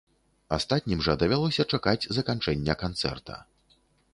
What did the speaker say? Астатнім жа давялося чакаць заканчэння канцэрта.